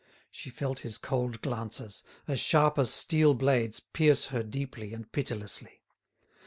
She felt his cold glances, as sharp as steel blades pierce her deeply and pitilessly.